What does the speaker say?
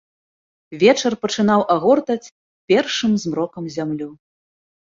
Вечар пачынаў агортаць першым змрокам зямлю.